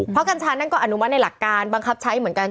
เพราะกัญชานั่นก็อนุมัติในหลักการบังคับใช้เหมือนกัน